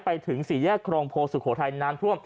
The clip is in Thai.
ไปถึง๔แยกโครงโพธิสุโขทัยนานทั่ว